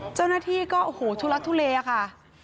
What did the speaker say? เจ้าหน้าที่ก็โอ้โหทุลักทุเลค่ะ